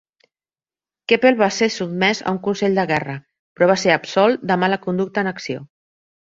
Keppel va ser sotmès a un consell de guerra, però va ser absolt de mala conducta en acció.